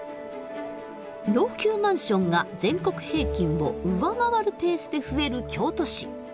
老朽マンションが全国平均を上回るペースで増える京都市。